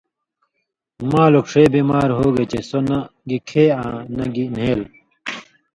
مال ووک ݜے بیمار ہوگے چے سو نہ گی کھے آں نہ گی نھېل